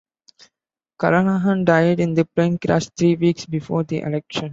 Carnahan died in a plane crash three weeks before the election.